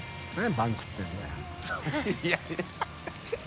パン食ってんだよ。